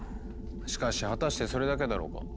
しかし果たしてそれだけだろうか？